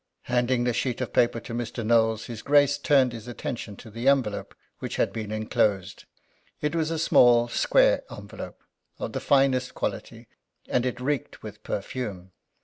Handing the sheet of paper to Mr. Knowles, his Grace turned his attention to the envelope which had been enclosed. It was a small square envelope, of the finest quality, and it reeked with perfume.